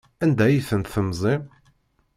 Anda ay tent-temzim?